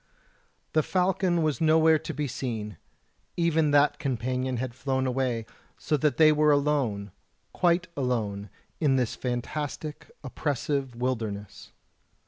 The falcon was nowhere to be seen; even that companion had flown away, so that they were alone quite alone in this fantastic, oppressive wilderness.